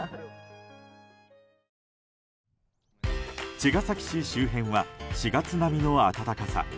茅ヶ崎市周辺は４月並みの暖かさ。